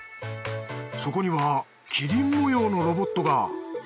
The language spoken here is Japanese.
そこにはキリン模様のロボットが。